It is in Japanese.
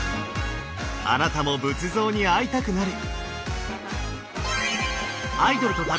あなたも仏像に会いたくなる！